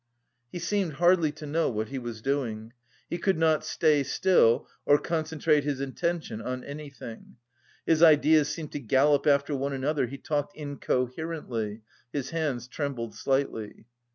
He seemed hardly to know what he was doing. He could not stay still or concentrate his attention on anything; his ideas seemed to gallop after one another, he talked incoherently, his hands trembled slightly.